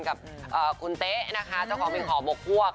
กับคุณเต๊ะนะคะเจ้าของเป็นขอบกพวก